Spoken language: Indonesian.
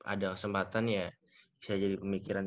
ada kesempatan ya bisa jadi pemikiran